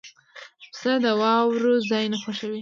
پسه د واورو ځای نه خوښوي.